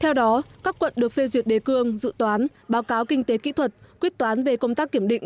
theo đó các quận được phê duyệt đề cương dự toán báo cáo kinh tế kỹ thuật quyết toán về công tác kiểm định